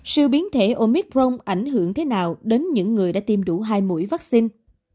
sự biến thể omicron ảnh hưởng thế nào đến những người đã tiêm đủ hai mũi vaccine